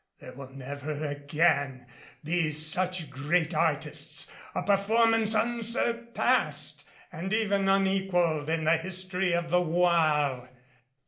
There will never again be such great artists, a performance unsurpassed and even unequaled in the history of the Oire."